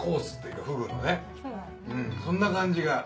そんな感じが。